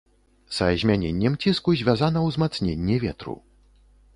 Са змяненнем ціску звязана ўзмацненне ветру.